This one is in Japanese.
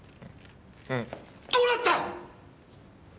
どうなった！？